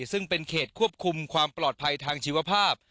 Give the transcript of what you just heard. ซึ่งเป็นเขตควบคุมความปลอดภัยทางชีวภาพ